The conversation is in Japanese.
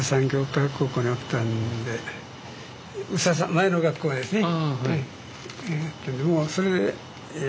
前の学校ですね。